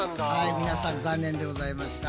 皆さん残念でございました。